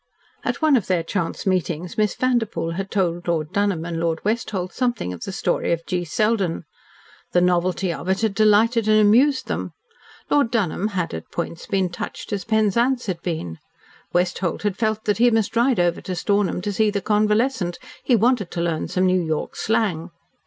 At one of their chance meetings Miss Vanderpoel had told Lord Dunholm and Lord Westholt something of the story of G. Selden. The novelty of it had delighted and amused them. Lord Dunholm had, at points, been touched as Penzance had been. Westholt had felt that he must ride over to Stornham to see the convalescent. He wanted to learn some New York slang.